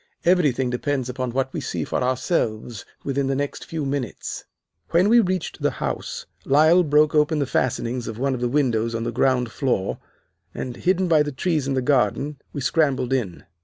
Everything depends upon what we see for ourselves within the next few minutes.' "When we reached the house, Lyle broke open the fastenings of one of the windows on the ground floor, and, hidden by the trees in the garden, we scrambled in.